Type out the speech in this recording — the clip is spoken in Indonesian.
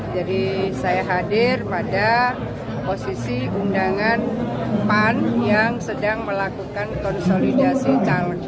jadi saya hadir pada posisi undangan pan yang sedang melakukan konsolidasi caleg